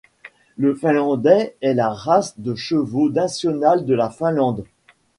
Le Finlandais est la race de chevaux nationale de la Finlande.